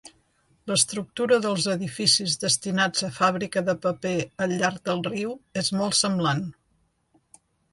L'estructura dels edificis destinats a fàbrica de paper al llarg del riu és molt semblant.